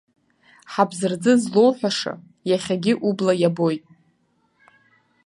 Ҳабзарӡы злоуҳәаша иахьагьы убла иабоит.